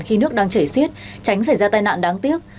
khi nước đang chảy xiết tránh xảy ra tai nạn đáng tiếc